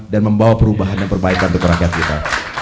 dan membawa perubahan dan perbaikan untuk rakyat kita